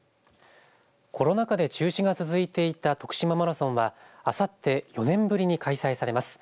コロナ禍で中止が続いていたとくしまマラソンはあさって４年ぶりに開催されます。